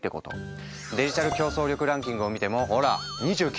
デジタル競争力ランキングを見てもほら２９位。